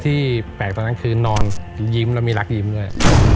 ที่แปลกตอนนั้นคือนอนยิ้มแล้วมีรักยิ้มด้วย